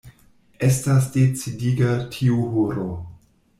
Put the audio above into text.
Estas decidiga tiu horo.